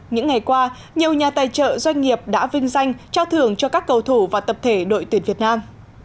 những ngày qua nhiều nhà tài trợ doanh nghiệp đã vinh danh trao thưởng cho các cầu thủ và tập thể đội tuyển việt nam